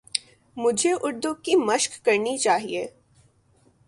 مجھے اردو کی مَشق کرنی چاہیے